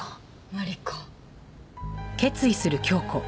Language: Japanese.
マリコ。